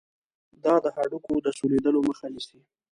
دا د هډوکو د سولیدلو مخه نیسي.